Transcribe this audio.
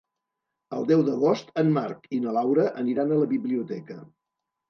El deu d'agost en Marc i na Laura aniran a la biblioteca.